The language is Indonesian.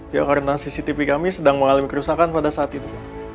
ya karena cctv kami sedang mengalami kerusakan pada saat itu